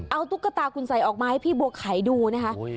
เอาตุ๊กตาคุณใส่ออกมาให้พี่บัวไข่ดูนะคะ